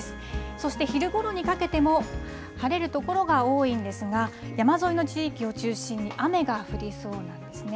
そして昼ごろにかけても晴れるところが多いんですが山沿いの地域を中心に雨が降りそうなんですね。